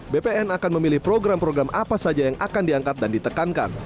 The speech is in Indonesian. bpn akan memilih program program apa saja yang akan diangkat dan ditekankan